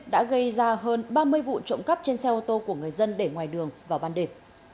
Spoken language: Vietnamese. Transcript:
đã gây ra hơn ba mươi vụ trộm cắp trên xe ô tô của người dân để ngoài đường vào ban đề